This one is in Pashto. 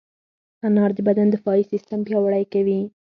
انار د بدن دفاعي سیستم پیاوړی کوي.